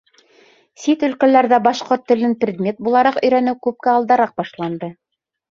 Сит өлкәләрҙә башҡорт телен предмет булараҡ өйрәнеү күпкә алдараҡ башланды.